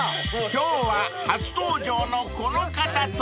［今日は初登場のこの方と！］